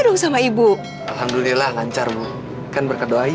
dong sama ibu alhamdulillah lancar bu kan berkadoai